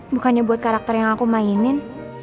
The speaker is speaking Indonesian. bukannya buat karakter yang aku mainin